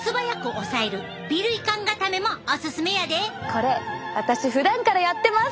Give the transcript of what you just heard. これ私ふだんからやってます！